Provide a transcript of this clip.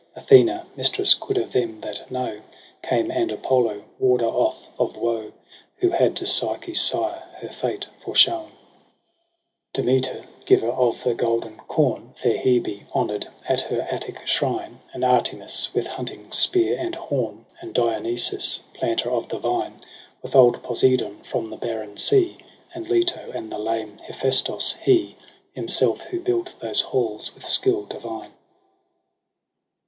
Athena, mistress good of them that know. Came, and Apollo, warder off of woe. Who had to Psyche's sire her fate foreshown ; FEBRUARY zii i8 Demeter, giver of the golden com. Fair Hebe, honour'd at her Attic shrine. And Artemis with hunting spear and horn, And Dionysos, planter oF the vine. With old Poseidon from the barren sea. And Leto, and the lame Hephaestos, he Himself who built those halls with sldll divine.